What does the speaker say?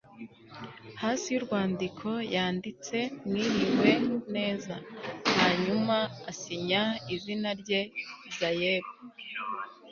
hasi yurwandiko yanditse mwiriwe neza, hanyuma asinya izina rye. (saeb